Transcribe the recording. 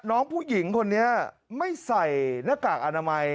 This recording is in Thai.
น้องผู้หญิงคนนี้ไม่ใส่หน้ากากอนามัย